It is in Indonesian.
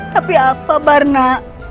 tapi apa barna